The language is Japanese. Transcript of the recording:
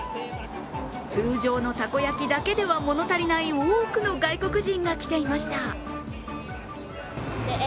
通常のたこ焼きだけでは物足りない多くの外国人が来ていました。